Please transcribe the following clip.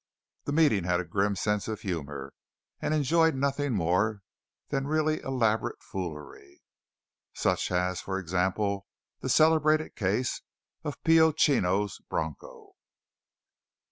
The meeting had a grim sense of humour, and enjoyed nothing more than really elaborate foolery. Such as, for example, the celebrated case of Pio Chino's bronco.